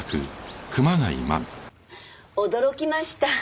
驚きました。